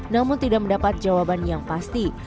namun tidak mendapat jawaban yang pasti